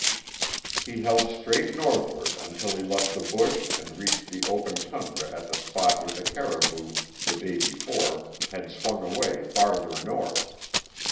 He held straight northward until he left the bush and reached the open tundra at the spot where the caribou the day before had swung away farther north.